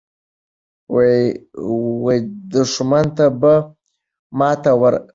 دښمن ته به ماته ورغلې وي.